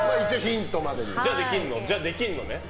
じゃあ、できるのね？